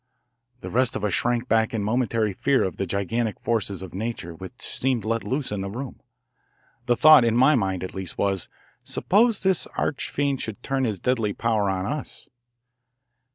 The rest of us shrank back in momentary fear of the gigantic forces of nature which seemed let loose in the room. The thought, in my mind at least, was: Suppose this arch fiend should turn his deadly power on us?